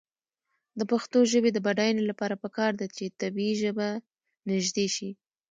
د پښتو ژبې د بډاینې لپاره پکار ده چې طبعي ژبه نژدې شي.